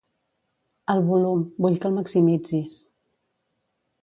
El volum, vull que el maximitzis.